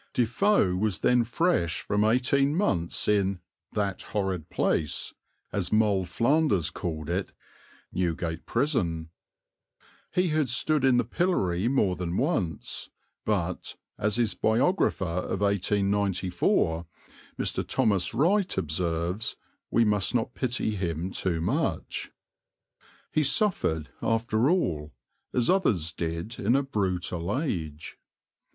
Defoe was then fresh from eighteen months in "that horrid place," as Moll Flanders called it, Newgate Prison. He had stood in the pillory more than once, but, as his biographer of 1894, Mr. Thomas Wright, observes, we must not pity him too much. He suffered, after all, as others did in a brutal age.